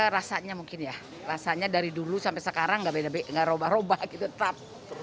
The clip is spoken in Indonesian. rasanya mungkin ya rasanya dari dulu sampai sekarang tidak berbeda tidak berubah ubah tetap